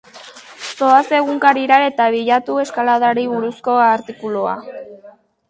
Zoaz egunkarira eta bilatu eskaladari buruzko artikulua.